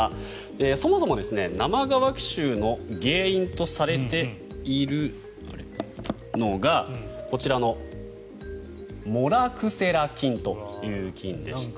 そもそも生乾き臭の原因とされているのがこちらのモラクセラ菌という菌でして。